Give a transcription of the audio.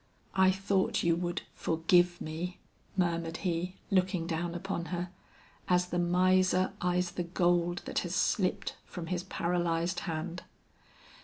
"I thought you would forgive me," murmured he, looking down upon her, as the miser eyes the gold that has slipped from his paralyzed hand.